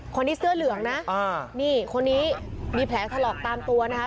เสื้อเหลืองนะนี่คนนี้มีแผลถลอกตามตัวนะคะ